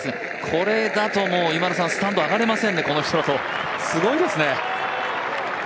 これだともう、スタンド上がれませんね、この人、すごいですね。